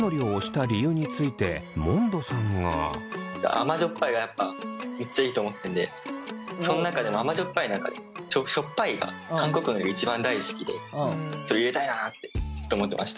あまじょっぱいがやっぱむっちゃいいと思ってるんでその中でもあまじょっぱい何かしょっぱいが韓国のりが一番大好きでそれ入れたいなって思ってました。